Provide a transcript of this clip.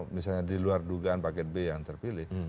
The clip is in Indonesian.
misalnya di luar dugaan paket b yang terpilih